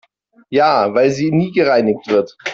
Ja, weil sie nie gereinigt wird.